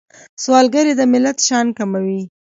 سوالګري د ملت شان کموي